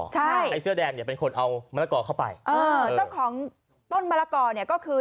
ใช่ไอ้เสื้อแดงเนี่ยเป็นคนเอามะละกอเข้าไปเออเจ้าของต้นมะละกอเนี่ยก็คือ